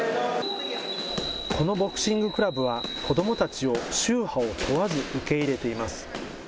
このボクシングクラブは、子どもたちを宗派を問わず受け入れています。